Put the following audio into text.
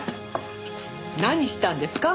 何したんですか？